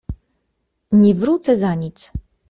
Nie wrócę za nic!